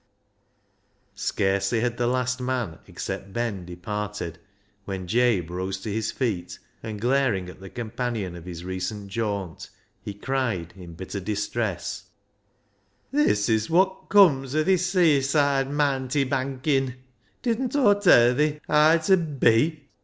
Scarcely had the last man except Ben departed when Jabe rose to his feet, and, glaring at the 22 0J« BECKSIDE LIGHTS companion of his recent jaunt, he cried in bitter distress —" This is wot comes o' thi sayside maanti bankin'. Didn't Aw tell thi haa it 'ud be?"